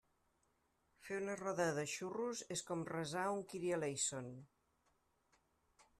Fer una roda de xurros és com resar un kyrieleison.